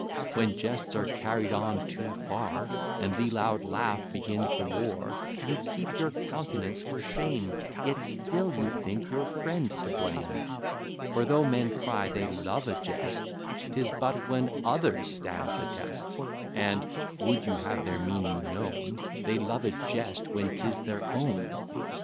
When jests are carried on too far, And the loud laugh begins the war, You keep your countenance for shame, Yet still you think your friend to blame; For though men cry they love a jest, 'Tis but when others stand the test; And (would you have their meaning known) They love a jest when 'tis their own.